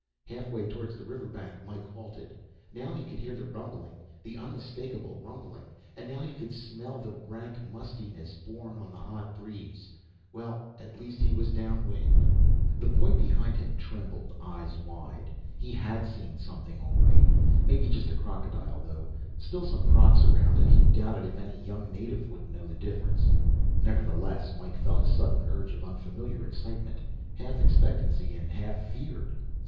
Halfway towards the river bank, Mike halted. Now he could hear the rumbling, the unmistakable rumbling. And now he could smell the rank mustiness borne on the hot breeze. Well, at least he was down wind. The boy behind him trembled, eyes wide. He had seen something, all right. Maybe just a crocodile, though. Still some crocs around. And he doubted if a young native would know the difference. Nevertheless, Mike felt a sudden surge of unfamiliar excitement, half expectancy and half fear.